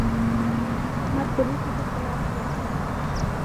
کلیوالو احمد پوليسو ته په لاس ورکړ.